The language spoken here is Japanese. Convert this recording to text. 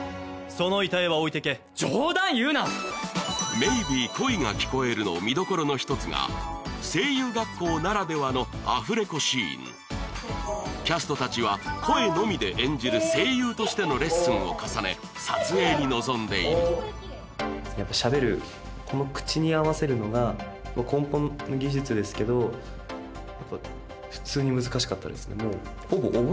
その遺体は置いてけ冗談言うな「Ｍａｙｂｅ恋が聴こえる」の見どころのひとつが声優学校ならではのアフレコシーンキャストたちは声のみで演じる声優としてのレッスンを重ね撮影に臨んでいるやっぱしゃべるこの口に合わせるのが根本の技術ですけど普通に難しかったですね